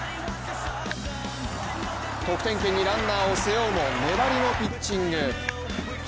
得点圏にランナーを背負うも、粘りのピッチング。